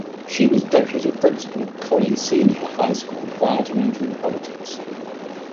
She was deputy principal of Collie Senior High School prior to entering politics.